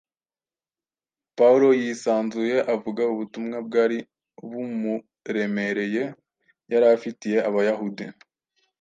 Pawulo yisanzuye avuga ubutumwa bwari bumuremereye yari afitiye Abayahudi